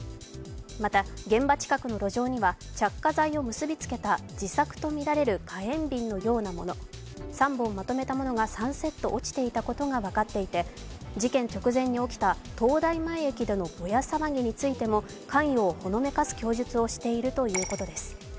また、現場近くの路上には着火剤を結びつけた自作とみられる火炎瓶のようなもの３本まとめたものが３セット落ちていたことが分かっていて、事件直前に起きた東大前駅でのボヤ騒ぎについても関与をほのめかす供述をしているということです。